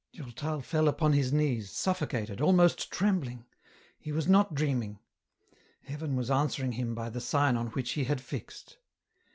Durtal fell upon his knees, suffocated, almost trembling : he was not dreaming ! Heaven was answering him by the sign on which he had fixed.